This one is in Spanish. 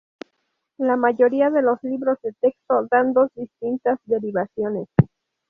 La mayoría de los libros de texto dan dos distintas derivaciones.